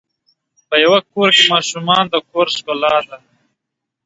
په یوه کور کې ماشومان د کور ښکلا ده.